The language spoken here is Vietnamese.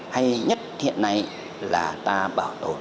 hay nhất hiện nay là ta bảo